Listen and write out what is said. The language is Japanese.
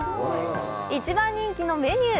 一番人気のメニュー。